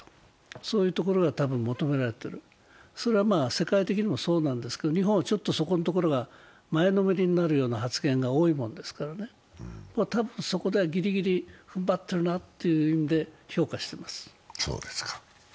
そういうところが求められているそれは世界的にもそうなんですけど、日本はそのところが前のめりになるような発言が多いですから、そこではぎりぎり踏んばっているんだなという意味で評価します。